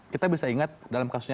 kita bisa ingat dalam kasusnya